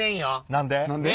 何で？